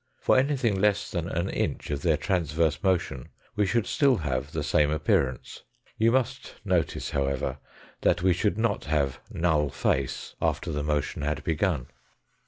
For anything less than an inch of their trans verse motion we should still have the same appearance. You must notice, however, that we should not have null face after the motion had begun.